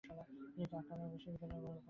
তিনি কারাকাও বিশ্ববিদ্যালয়ে লেখাপড়া করেন।